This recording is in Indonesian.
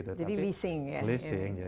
jadi leasing ya